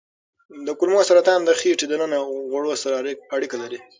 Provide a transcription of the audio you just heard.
د کولمو سرطان د خېټې دننه غوړو سره اړیکه لري.